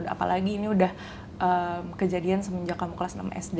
apalagi ini udah kejadian semenjak kamu kelas enam sd